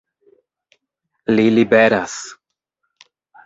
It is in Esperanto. Li liberas!